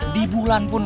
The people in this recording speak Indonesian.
di bulan pujan